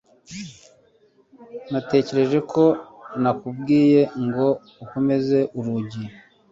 Natekereje ko nakubwiye ngo ukomeze urugi.